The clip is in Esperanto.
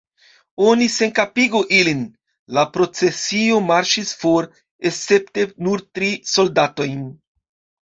"Oni senkapigu ilin!" La procesio marŝis for, escepte nur tri soldatojn.